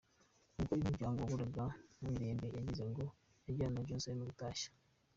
Ubwo uyu muryango waburaga Mirembe wagize ngo yajyanye na Joram gutashya.